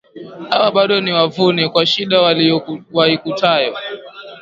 Hawa, bado ni wavune, kwa shida waikutayo